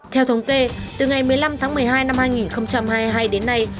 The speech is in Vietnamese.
theo thống kê từ ngày một mươi năm tháng một mươi hai năm hai nghìn hai mươi hai đến nay